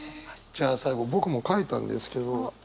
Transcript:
じゃあ最後僕も書いたんですけど。